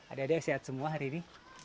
adik adik sehat semua hari ini